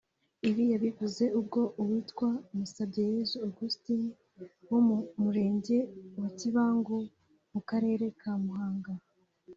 Ibi yabivuze ubwo uwitwa Musabyeyezu Augustin wo mu Murenge wa Kibangu mu Karere ka Muhanga